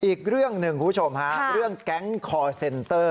อีกเรื่องหนึ่งคุณผู้ชมฮะเรื่องแก๊งคอร์เซ็นเตอร์